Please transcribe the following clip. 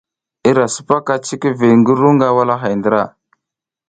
I ra sipas cikivid ngi ru nag walahay ndra.